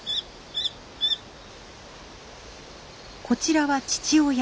こちらは父親。